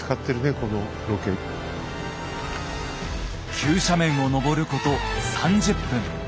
急斜面を登ること３０分。